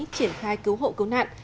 triển khai cứu hộ cứu nạn